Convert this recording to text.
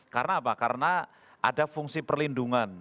karena apa karena ada fungsi perlindungan